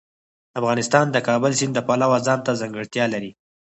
افغانستان د د کابل سیند د پلوه ځانته ځانګړتیا لري.